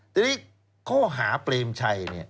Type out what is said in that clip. ทีนี้ข้อหาเปรมชัย